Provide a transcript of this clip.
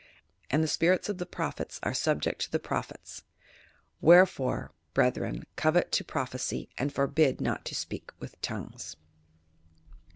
And the spirits of the prophets are subject to the proph ets. ... Wherefore, brethren, covet to prophesy and forbid not to speak tintk tonguet."